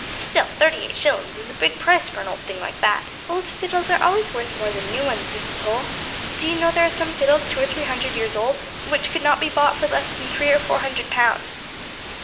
Still, thirty eight shillings is a big price for an old thing like that." "Old fiddles are always worth more than new ones, Mrs. Holl. Do you know there are some fiddles two or three hundred years old which could not be bought for less than three or four hundred pounds?"